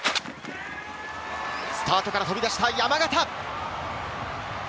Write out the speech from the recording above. スタートから飛び出した山縣。